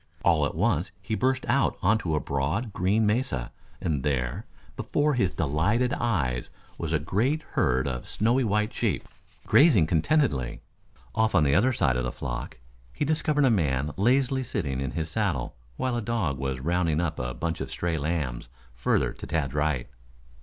All at once he burst out on to a broad, green mesa, and there, before his delighted eyes was a great herd of snowy white sheep grazing contentedly. Off on the further side of the flock he descried a man lazily sitting in his saddle while a dog was rounding up a bunch of stray lambs further to Tad's right.